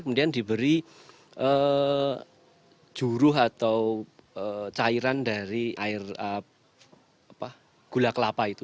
kemudian diberi juruh atau cairan dari air gula kelapa itu